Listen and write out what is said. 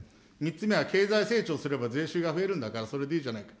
３つ目は経済成長すれば税収が増えるんだからそれでいいじゃないか。